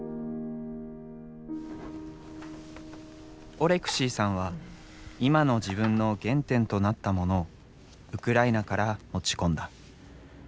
オレクシーさんは今の自分の原点となったモノをウクライナから持ち込んだ。